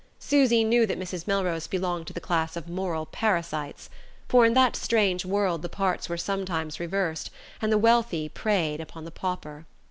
Susy knew that Mrs. Melrose belonged to the class of moral parasites; for in that strange world the parts were sometimes reversed, and the wealthy preyed upon the pauper.